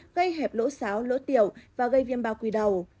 gây hẹp lỗ xáo lỗ tiểu và gây viêm bao quỳ đầu